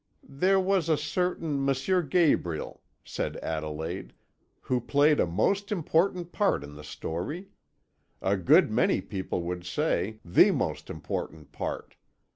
"There was a certain M. Gabriel," said Adelaide, "who played a most important part in the story a good many people would say, the most important part.